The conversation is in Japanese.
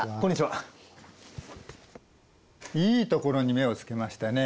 いいところに目をつけましたね。